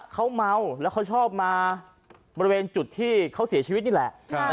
เขาเมาแล้วเขาชอบมาบริเวณจุดที่เขาเสียชีวิตนี่แหละ